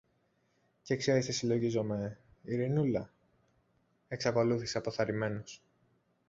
Και ξέρεις τι συλλογίζομαι, Ειρηνούλα; εξακολούθησε αποθαρρυμένος.